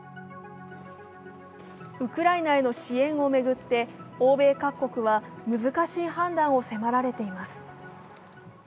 ウクライナへの支援を巡って欧米各国は難しい判断を迫られています。